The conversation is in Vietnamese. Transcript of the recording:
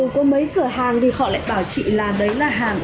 ừ có mấy cửa hàng thì họ lại bảo chị là đấy là hàng ở hương yên ý